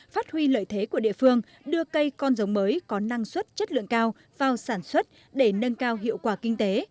phát huy lợi thế của địa phương đưa cây con giống mới có năng suất chất lượng cao vào sản xuất để nâng cao hiệu quả kinh tế